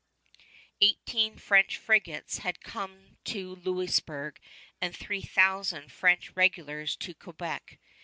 Eighteen French frigates had come to Louisburg and three thousand French regulars to Quebec.